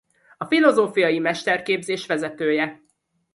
A Filozófiai Mesterképzés vezetője.